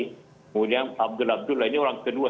kemudian abdul abdul lainnya orang kedua